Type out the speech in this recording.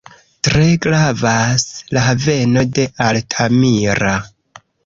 Tre gravas la haveno de Altamira.